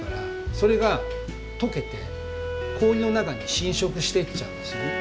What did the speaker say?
それがとけて氷の中に侵食していっちゃうんですよね。